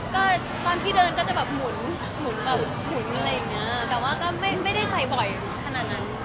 จริงตอนที่เดินก็จะหมุนแต่ว่าก็ไม่ได้ใส่บ่อยขนาดนั้น